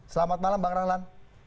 selamat malam bang rahlan